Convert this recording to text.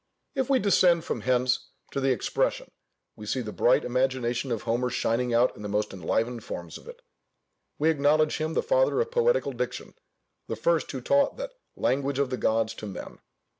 If we descend from hence to the expression, we see the bright imagination of Homer shining out in the most enlivened forms of it. We acknowledge him the father of poetical diction; the first who taught that "language of the gods" to men.